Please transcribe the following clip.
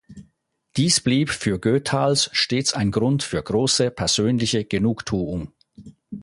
Dies blieb für Goethals stets ein Grund für große persönliche Genugtuung.